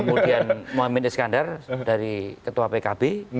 kemudian mohamid iskandar dari ketua pkb